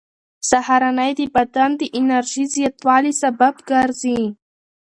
سهارنۍ د بدن د انرژۍ زیاتوالي سبب ګرځي.